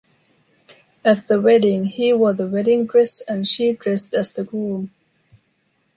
At the wedding he wore the wedding dress and she dressed as the groom.